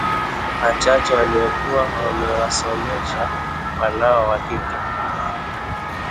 Wachache waliokuwa wamewasomesha wanao wa kike